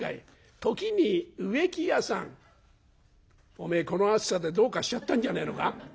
「おめえこの暑さでどうかしちゃったんじゃねえのか？